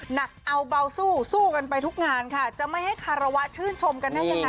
หนักเอาเบาสู้สู้กันไปทุกงานค่ะจะไม่ให้คารวะชื่นชมกันได้ยังไง